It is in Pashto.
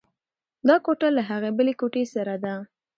دا کوټه له هغې بلې کوټې سړه ده.